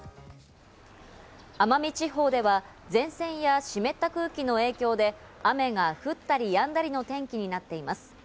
奄美地方では前線や湿った空気の影響で雨が降ったりやんだりの天気になっています。